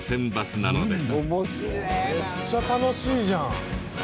めっちゃ楽しいじゃん。